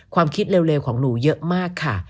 ความคิดเร็วของหนูเยอะมากค่ะ